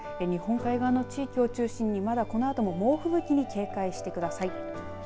日本海側の地域を中心にまだこのあとも猛吹雪に警戒してください。